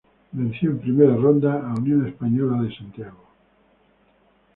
Venció en primera ronda a Unión Española de Santiago.